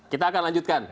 kita akan lanjutkan